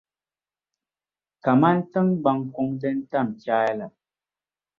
kaman tiŋgbaŋ’ kuŋ din tam chaai la.